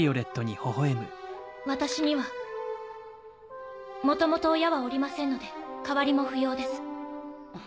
私には元々親はおりませんので代わりも不要です。